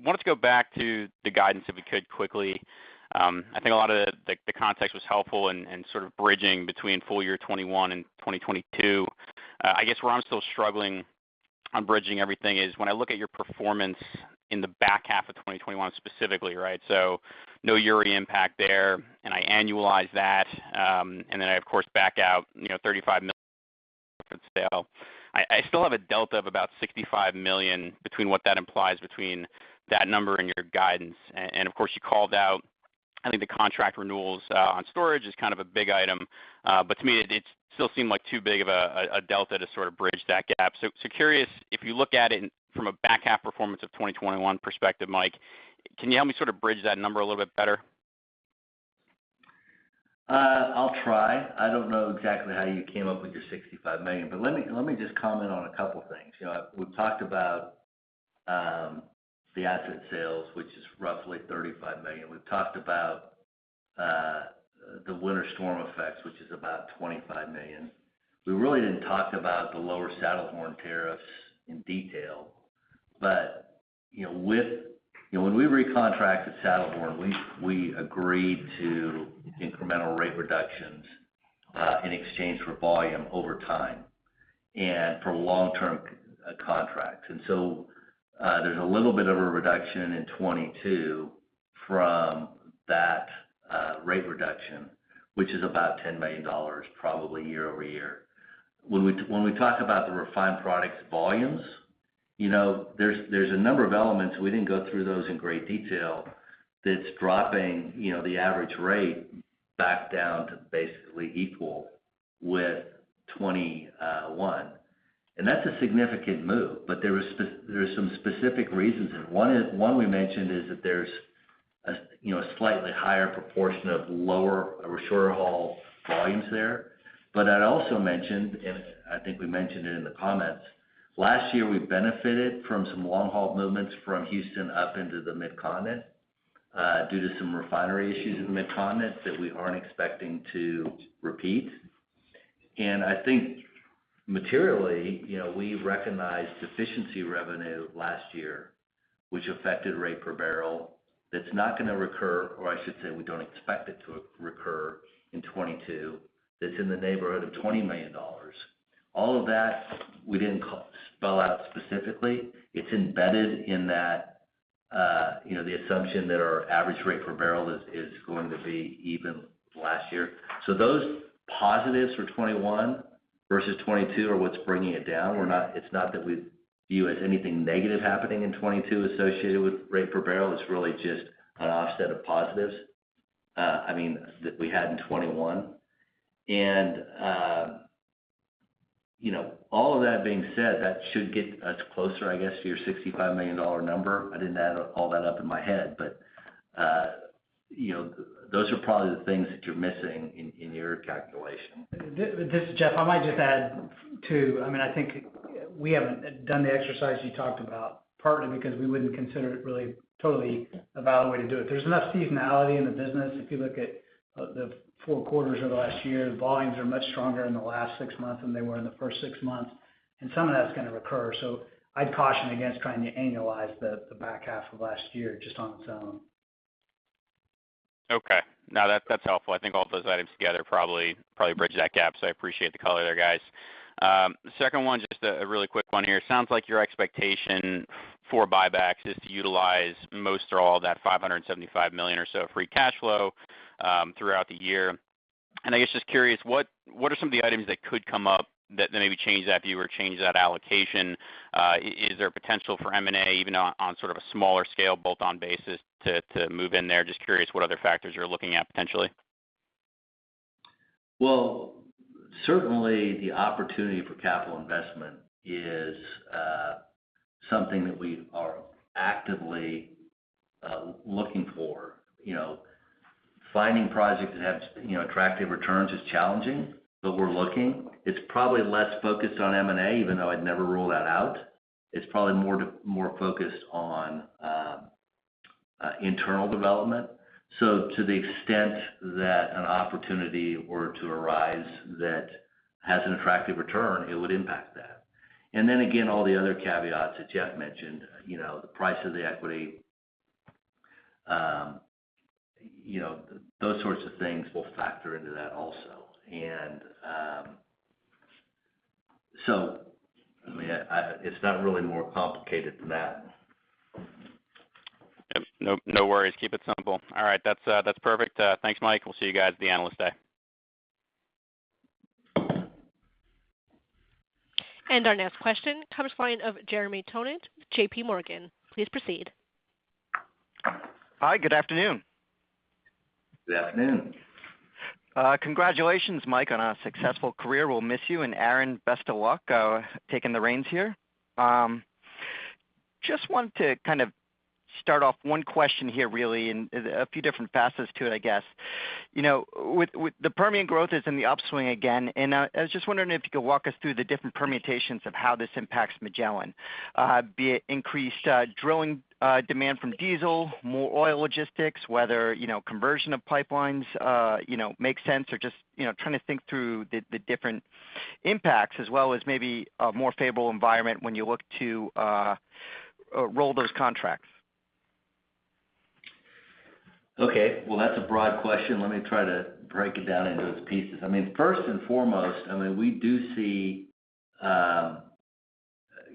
Wanted to go back to the guidance if we could quickly. I think a lot of the context was helpful in sort of bridging between full year 2021 and 2022. I guess where I'm still struggling on bridging everything is when I look at your performance in the back half of 2021 specifically, right? So no Uri impact there, and I annualize that, and then I of course back out, you know, $35 million for the sale. I still have a delta of about $65 million between what that implies between that number and your guidance. And of course, you called out, I think the contract renewals on storage is kind of a big item. To me it still seemed like too big of a delta to sort of bridge that gap. Curious, if you look at it from a back half performance of 2021 perspective, Michael, can you help me sort of bridge that number a little bit better? I'll try. I don't know exactly how you came up with your $65 million, but let me just comment on a couple things. You know, we've talked about the asset sales, which is roughly $35 million. We've talked about the winter storm effects, which is about $25 million. We really didn't talk about the lower Saddlehorn tariffs in detail, but you know, when we recontracted Saddlehorn, we agreed to incremental rate reductions in exchange for volume over time and for long-term contracts. There's a little bit of a reduction in 2022 from that rate reduction, which is about $10 million probably year over year. When we talk about the refined products volumes, you know, there's a number of elements, we didn't go through those in great detail. That's dropping, you know, the average rate back down to basically equal with 2021. That's a significant move. There are some specific reasons. One we mentioned is that there's a, you know, a slightly higher proportion of lower or shorter haul volumes there. I'd also mentioned, and I think we mentioned it in the comments, last year, we benefited from some long-haul movements from Houston up into the Mid-Continent due to some refinery issues in Mid-Continent that we aren't expecting to repeat. I think materially, you know, we recognized deficiency revenue last year, which affected rate per barrel. That's not gonna recur, or I should say we don't expect it to recur in 2022. That's in the neighborhood of $20 million. All of that we didn't spell out specifically. It's embedded in that, you know, the assumption that our average rate per barrel is going to be even last year. So those positives for 2021 versus 2022 are what's bringing it down. It's not that we view as anything negative happening in 2022 associated with rate per barrel. It's really just an offset of positives, I mean, that we had in 2021. You know, all of that being said, that should get us closer, I guess, to your $65 million number. I didn't add all that up in my head, but, you know, those are probably the things that you're missing in your calculation. This is Jeff. I might just add too. I mean, I think we haven't done the exercise you talked about, partly because we wouldn't consider it really totally a valid way to do it. There's enough seasonality in the business. If you look at the four quarters over last year, volumes are much stronger in the last six months than they were in the first six months, and some of that's gonna recur. I'd caution against trying to annualize the back half of last year just on its own. Okay. No, that's helpful. I think all those items together probably bridge that gap, so I appreciate the color there, guys. Second one, just a really quick one here. Sounds like your expectation for buybacks is to utilize most or all that $575 million or so of free cash flow throughout the year. I guess just curious, what are some of the items that could come up that maybe change that view or change that allocation? Is there potential for M&A even on sort of a smaller scale bolt-on basis to move in there? Just curious what other factors you're looking at potentially. Well, certainly the opportunity for capital investment is something that we are actively looking for. You know, finding projects that have, you know, attractive returns is challenging, but we're looking. It's probably less focused on M&A, even though I'd never rule that out. It's probably more focused on internal development. To the extent that an opportunity were to arise that has an attractive return, it would impact that. Then again, all the other caveats that Jeff mentioned, you know, the price of the equity, you know, those sorts of things will factor into that also. I mean, it's not really more complicated than that. Yep. No, no worries. Keep it simple. All right. That's perfect. Thanks, Michael. We'll see you guys at the Analyst Day. Our next question comes from Jeremy Tonet with JPMorgan. Please proceed. Hi. Good afternoon. Good afternoon. Congratulations, Michael, on a successful career. We'll miss you. Aaron, best of luck taking the reins here. Just wanted to kind of start off one question here really, and a few different facets to it, I guess. You know, with the Permian growth is in the upswing again, and I was just wondering if you could walk us through the different permutations of how this impacts Magellan, be it increased drilling demand from diesel, more oil logistics, whether you know conversion of pipelines you know makes sense or just you know trying to think through the different impacts as well as maybe a more favorable environment when you look to roll those contracts. Okay. Well, that's a broad question. Let me try to break it down into its pieces. I mean, first and foremost, I mean, we do see,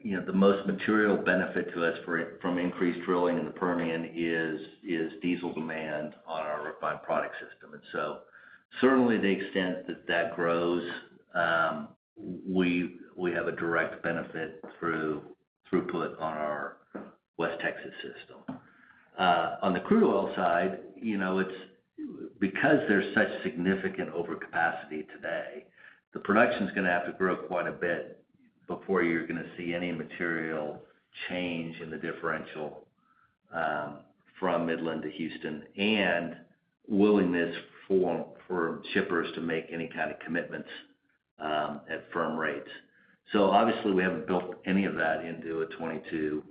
you know, the most material benefit to us from increased drilling in the Permian is diesel demand on our refined product system. Certainly the extent that that grows, we have a direct benefit through throughput on our West Texas system. On the crude oil side, you know, because there's such significant overcapacity today, the production's gonna have to grow quite a bit before you're gonna see any material change in the differential from Midland to Houston and willingness for shippers to make any kind of commitments at firm rates. Obviously, we haven't built any of that into a 2022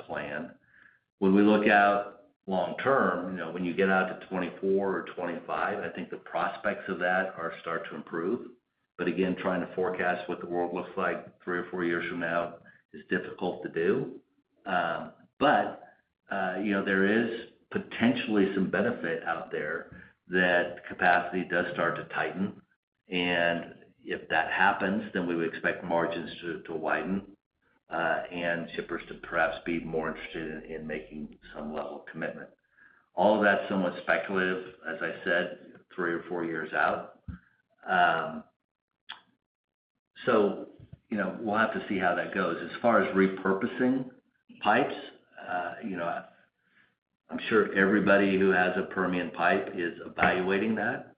plan. When we look out long term, you know, when you get out to 2024 or 2025, I think the prospects of that start to improve. Again, trying to forecast what the world looks like three or four years from now is difficult to do. You know, there is potentially some benefit out there that capacity does start to tighten. And if that happens, then we would expect margins to widen, and shippers to perhaps be more interested in making some level of commitment. All of that's somewhat speculative, as I said, three or four years out. You know, we'll have to see how that goes. As far as repurposing pipes, you know, I'm sure everybody who has a Permian pipe is evaluating that.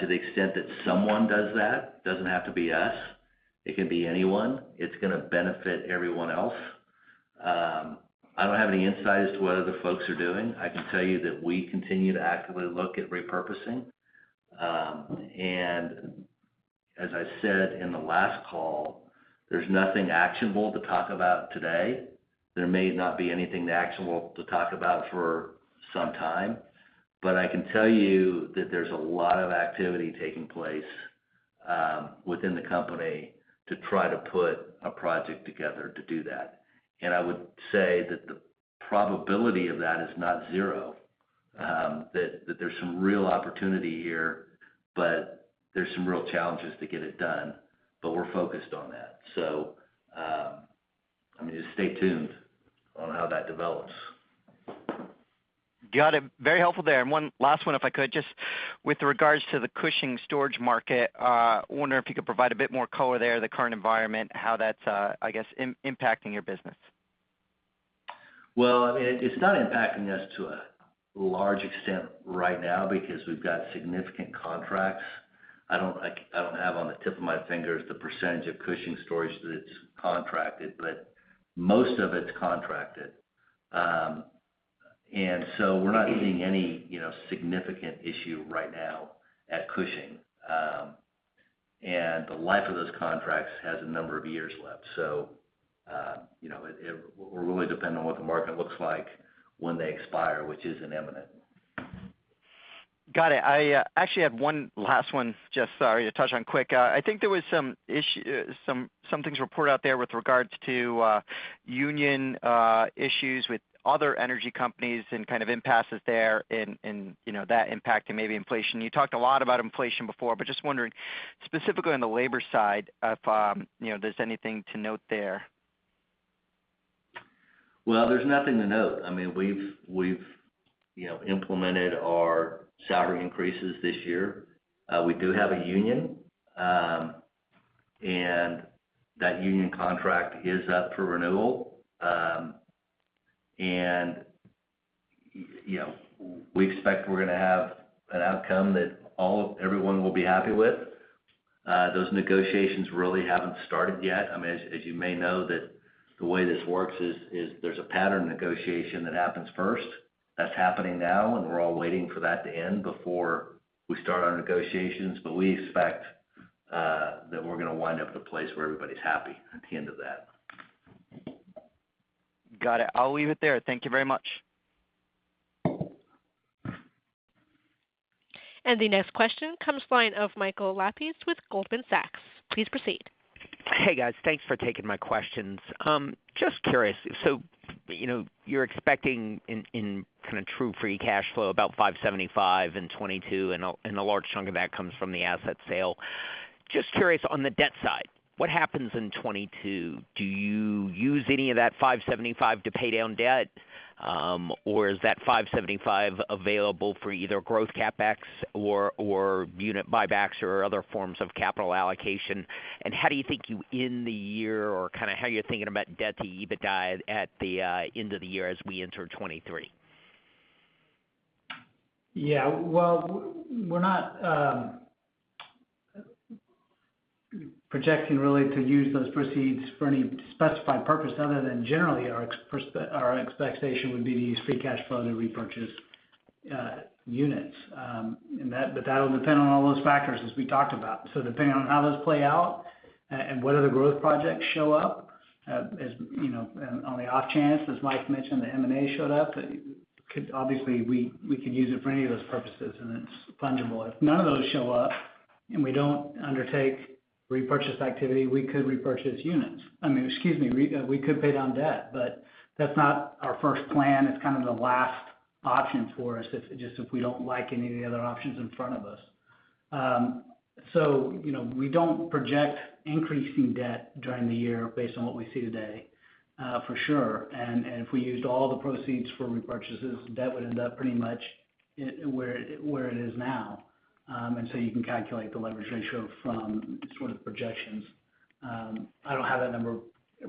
To the extent that someone does that, doesn't have to be us, it can be anyone, it's gonna benefit everyone else. I don't have any insight as to what other folks are doing. I can tell you that we continue to actively look at repurposing. As I said in the last call, there's nothing actionable to talk about today. There may not be anything actionable to talk about for some time, but I can tell you that there's a lot of activity taking place within the company to try to put a project together to do that. I would say that the probability of that is not zero, that there's some real opportunity here, but there's some real challenges to get it done, but we're focused on that. I mean, just stay tuned on how that develops. Got it. Very helpful there. One last one, if I could. Just with regards to the Cushing storage market, wondering if you could provide a bit more color there, the current environment, how that's, I guess, impacting your business. Well, I mean, it's not impacting us to a large extent right now because we've got significant contracts. I don't have on the tip of my fingers the percentage of Cushing storage that's contracted, but most of it's contracted. We're not seeing any, you know, significant issue right now at Cushing. The life of those contracts has a number of years left. You know, we're really dependent on what the market looks like when they expire, which isn't imminent. Got it. I actually have one last one, just sorry, to touch on quick. I think there was some things reported out there with regards to union issues with other energy companies and kind of impasses there and you know that impacting maybe inflation. You talked a lot about inflation before, but just wondering specifically on the labor side, if you know there's anything to note there. Well, there's nothing to note. I mean, we've you know, implemented our salary increases this year. We do have a union, and that union contract is up for renewal. And you know, we expect we're gonna have an outcome that everyone will be happy with. Those negotiations really haven't started yet. I mean, as you may know that the way this works is there's a pattern negotiation that happens first. That's happening now, and we're all waiting for that to end before we start our negotiations. But we expect That we're gonna wind up at a place where everybody's happy at the end of that. Got it. I'll leave it there. Thank you very much. The next question comes from the line of Michael Lapides with Goldman Sachs. Please proceed. Hey, guys. Thanks for taking my questions. Just curious. So, you know, you're expecting in kind of true free cash flow about $57 in 2022, and a large chunk of that comes from the asset sale. Just curious on the debt side, what happens in 2022? Do you use any of that $57 to pay down debt? Or is that $57 available for either growth CapEx or unit buybacks or other forms of capital allocation? How do you think you end the year or kind of how you're thinking about debt to EBITDA at the end of the year as we enter 2023? Yeah. Well, we're not projecting really to use those proceeds for any specified purpose other than generally our expectation would be to use free cash flow to repurchase units. That'll depend on all those factors, as we talked about. Depending on how those play out and what other growth projects show up, as you know. On the off chance, as Michael mentioned, the M&A showed up, obviously we could use it for any of those purposes, and it's fungible. If none of those show up and we don't undertake repurchase activity, we could repurchase units. I mean, excuse me, we could pay down debt, but that's not our first plan. It's kind of the last option for us if we just don't like any of the other options in front of us. You know, we don't project increasing debt during the year based on what we see today, for sure. If we used all the proceeds for repurchases, debt would end up pretty much where it is now. You can calculate the leverage ratio from sort of the projections. I don't have that number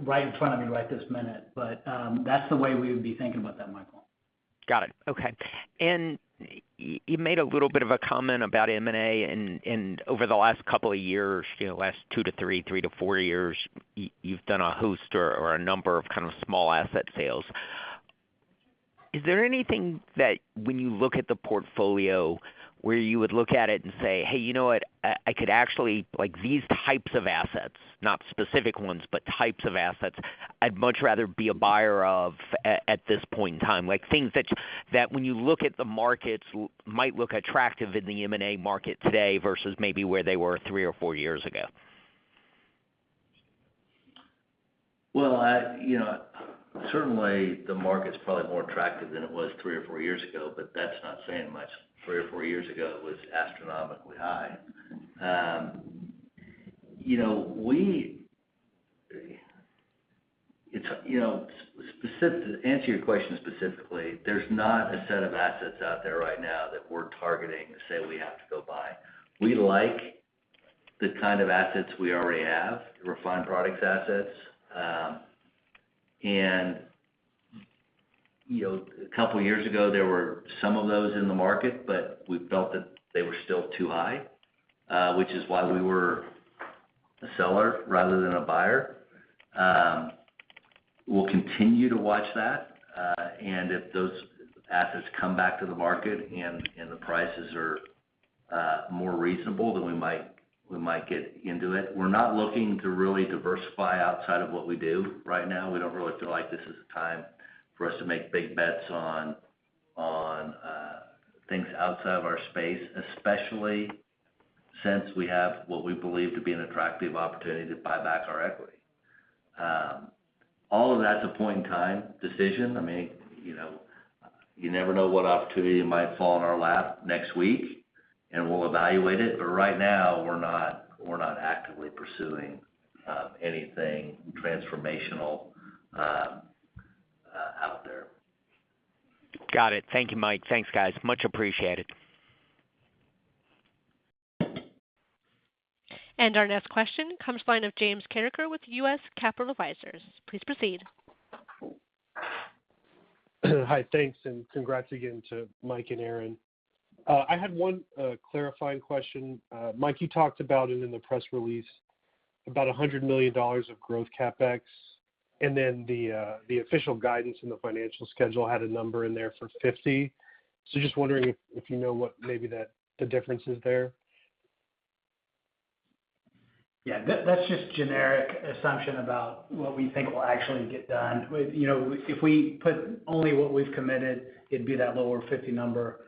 right in front of me right this minute, but that's the way we would be thinking about that, Michael. Got it. Okay. You made a little bit of a comment about M&A in over the last couple of years, you know, last two-three, three-four years. You've done a host of, or a number of kind of small asset sales. Is there anything that when you look at the portfolio where you would look at it and say, "Hey, you know what? I could actually like these types of assets, not specific ones, but types of assets I'd much rather be a buyer of at this point in time." Like things that when you look at the markets might look attractive in the M&A market today versus maybe where they were three or four years ago. Well, you know, certainly the market's probably more attractive than it was three or four years ago, but that's not saying much. Three or four years ago, it was astronomically high. You know, it's, you know, to answer your question specifically, there's not a set of assets out there right now that we're targeting to say we have to go buy. We like the kind of assets we already have, refined products assets. You know, a couple of years ago, there were some of those in the market, but we felt that they were still too high, which is why we were a seller rather than a buyer. We'll continue to watch that. If those assets come back to the market and the prices are more reasonable, then we might get into it. We're not looking to really diversify outside of what we do right now. We don't really feel like this is a time for us to make big bets on things outside of our space, especially since we have what we believe to be an attractive opportunity to buy back our equity. All of that's a point in time decision. I mean, you know, you never know what opportunity might fall in our lap next week, and we'll evaluate it. Right now we're not actively pursuing anything transformational out there. Got it. Thank you, Michael. Thanks, guys. Much appreciated. Our next question comes from the line of James Carreker with U.S. Capital Advisors. Please proceed. Hi, thanks, and congrats again to Michael and Aaron. I had one clarifying question. Michael, you talked about it in the press release, about $100 million of growth CapEx, and then the official guidance in the financial schedule had a number in there for $50 million. Just wondering if you know what maybe the difference is there. Yeah. That's just a generic assumption about what we think will actually get done. You know, if we put only what we've committed, it'd be that lower 50 number,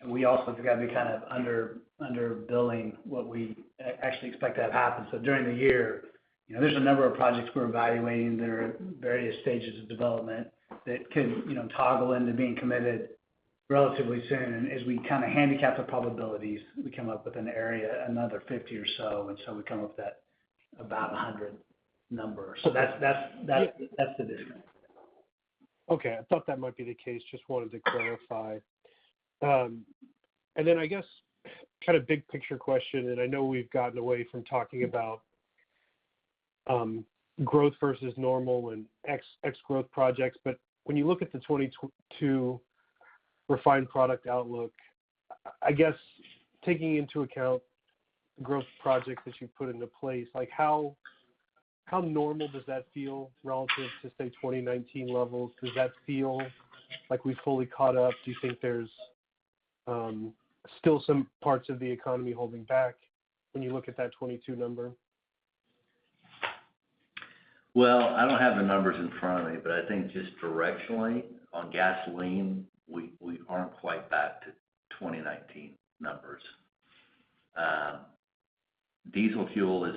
and we also got to be kind of understating what we actually expect to have happen. During the year, you know, there's a number of projects we're evaluating that are at various stages of development that could, you know, toggle into being committed relatively soon. As we kind of handicap the probabilities, we come up with an area, another 50 or so, and so we come up with that about a 100 number. That's the difference. Okay. I thought that might be the case, just wanted to clarify. I guess kind of big picture question, and I know we've gotten away from talking about growth versus normal and ex-growth projects. When you look at the 2022 refined product outlook, I guess taking into account growth projects that you've put into place, like how normal does that feel relative to, say, 2019 levels? Does that feel like we've fully caught up? Do you think there's still some parts of the economy holding back when you look at that 2022 number? Well, I don't have the numbers in front of me, but I think just directionally on gasoline, we aren't quite back to 2019 numbers. Diesel fuel is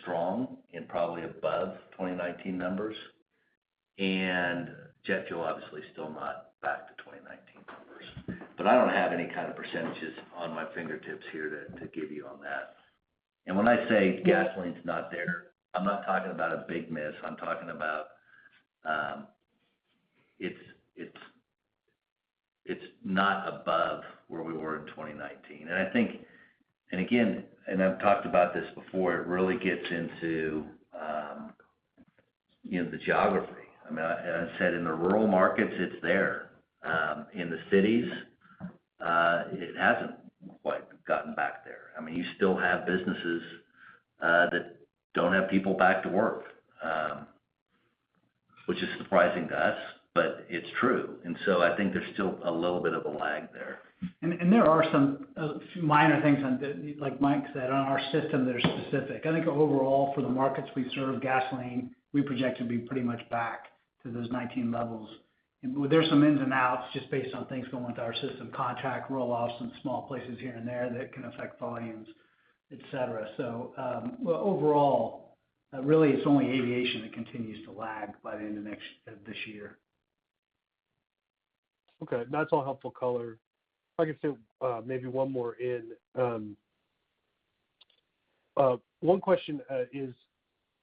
strong and probably above 2019 numbers. Jet fuel, obviously, still not back to 2019 numbers. I don't have any kind of percentages on my fingertips here to give you on that. When I say gasoline's not there, I'm not talking about a big miss. I'm talking about, it's not above where we were in 2019. I think, and again, I've talked about this before, it really gets into, you know, the geography. I mean, as I said, in the rural markets, it's there. In the cities, it hasn't quite gotten back there. I mean, you still have businesses, that don't have people back to work, which is surprising to us, but it's true. I think there's still a little bit of a lag there. There are some minor things—like Michael said, on our system that are specific. I think overall for the markets we serve, gasoline, we project to be pretty much back to those 19 levels. There's some ins and outs just based on things going with our system contract roll-offs in small places here and there that can affect volumes, et cetera. Really it's only aviation that continues to lag by the end of this year. Okay. That's all helpful color. If I could fit maybe one more in. One question is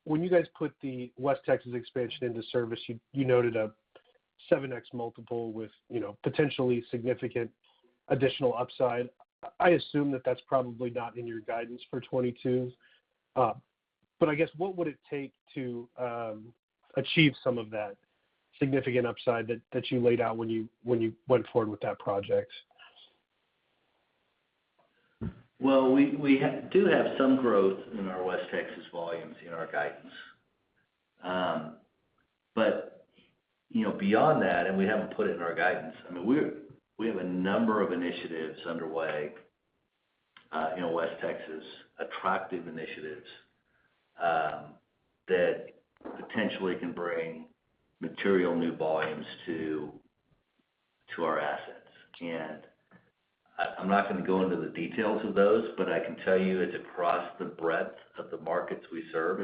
when you guys put the West Texas expansion into service, you noted a 7x multiple with, you know, potentially significant additional upside. I assume that that's probably not in your guidance for 2022. I guess, what would it take to achieve some of that significant upside that you laid out when you went forward with that project? Well, we have some growth in our West Texas volumes in our guidance. You know, beyond that, we haven't put it in our guidance. I mean, we have a number of initiatives underway in West Texas, attractive initiatives that potentially can bring material new volumes to our assets. I'm not gonna go into the details of those, but I can tell you it's across the breadth of the markets we serve.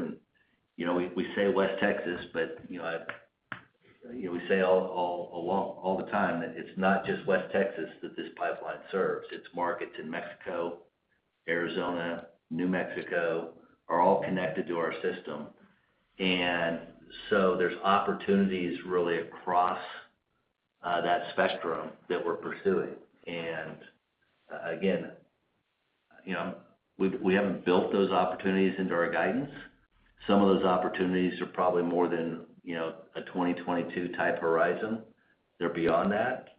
You know, we say West Texas, but you know, we say all the time that it's not just West Texas that this pipeline serves. Its markets in Mexico, Arizona, New Mexico are all connected to our system. There's opportunities really across that spectrum that we're pursuing. Again, you know, we haven't built those opportunities into our guidance. Some of those opportunities are probably more than, you know, a 2022 type horizon. They're beyond that.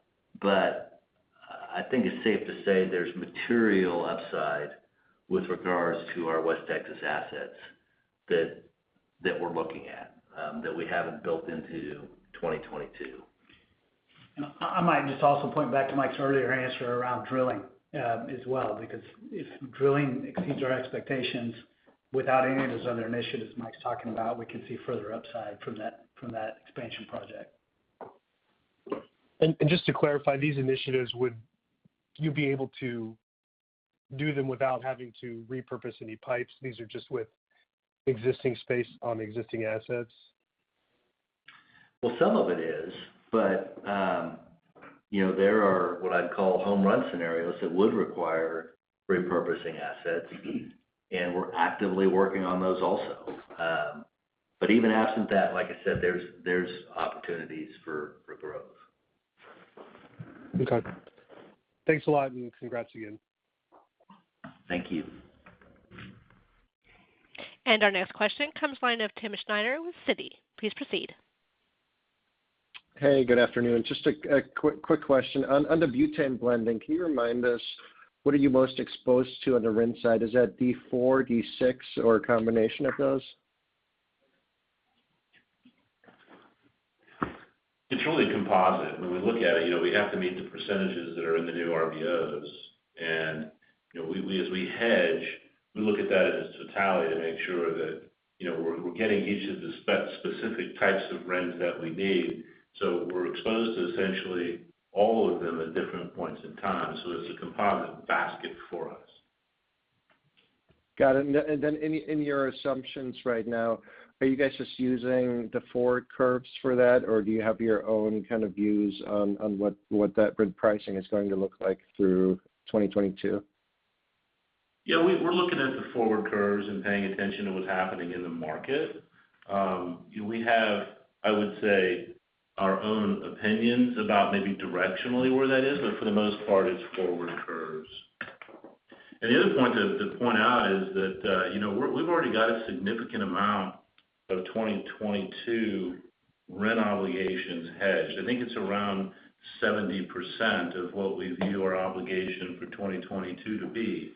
I think it's safe to say there's material upside with regards to our West Texas assets that we're looking at that we haven't built into 2022. I might just also point back to Michael's earlier answer around drilling, as well, because if drilling exceeds our expectations without any of those other initiatives Michael's talking about, we can see further upside from that expansion project. Just to clarify, these initiatives, would you be able to do them without having to repurpose any pipes? These are just with existing space on existing assets? Well, some of it is, but, you know, there are what I'd call home run scenarios that would require repurposing assets. We're actively working on those also. Even absent that, like I said, there's opportunities for growth. Okay. Thanks a lot and congrats again. Thank you. Our next question comes from the line of Timm Schneider with Citi. Please proceed. Hey, good afternoon. Just a quick question. On the butane blending, can you remind us what are you most exposed to on the RIN side? Is that D4, D6, or a combination of those? It's really composite. When we look at it, you know, we have to meet the percentages that are in the new RVOs. You know, we as we hedge, we look at that as a totality to make sure that, you know, we're getting each of the specific types of RINs that we need. We're exposed to essentially all of them at different points in time. It's a composite basket for us. Got it. In your assumptions right now, are you guys just using the forward curves for that, or do you have your own kind of views on what that RIN pricing is going to look like through 2022? Yeah. We're looking at the forward curves and paying attention to what's happening in the market. We have, I would say, our own opinions about maybe directionally where that is, but for the most part, it's forward curves. The other point to point out is that, you know, we've already got a significant amount of 2022 RIN obligations hedged. I think it's around 70% of what we view our obligation for 2022 to be.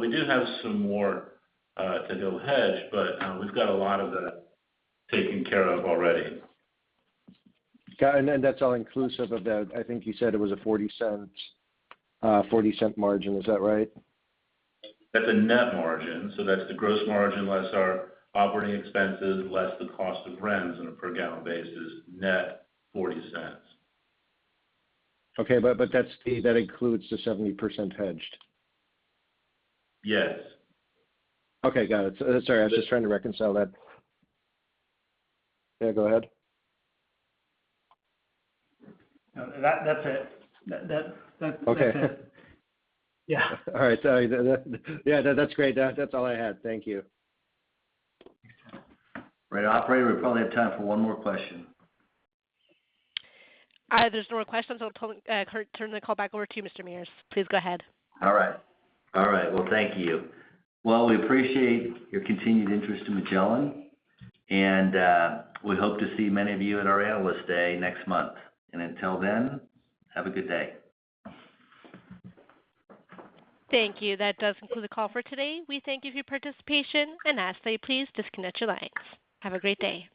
We do have some more to go hedge, but we've got a lot of that taken care of already. Got it. That's all inclusive of that. I think you said it was a $0.40 margin. Is that right? That's a net margin. That's the gross margin less our operating expenses, less the cost of RINs on a per gallon basis, net $0.40. Okay. That's the that includes the 70% hedged? Yes. Okay. Got it. Sorry, I was just trying to reconcile that. Yeah, go ahead. No, that's it. That's it. Okay. Yeah. All right. Sorry. Yeah, that's great. That's all I had. Thank you. Right. Operator, we probably have time for one more question. There's no more questions, so I'll turn the call back over to you, Mr. Mears. Please go ahead. All right. Well, thank you. Well, we appreciate your continued interest in Magellan, and we hope to see many of you at our Analyst Day next month. Until then, have a good day. Thank you. That does conclude the call for today. We thank you for your participation and ask that you please disconnect your lines. Have a great day.